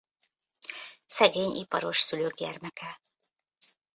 Szegény iparos szülők gyermeke.